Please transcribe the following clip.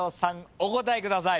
お答えください。